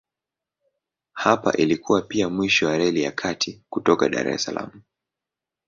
Hapa ilikuwa pia mwisho wa Reli ya Kati kutoka Dar es Salaam.